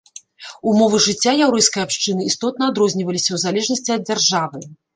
Умовы жыцця яўрэйскай абшчыны істотна адрозніваліся ў залежнасці ад дзяржавы.